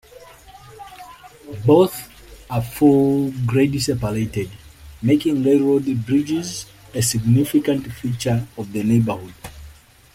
Both are fully grade-separated, making railroad bridges a significant feature of the neighborhood.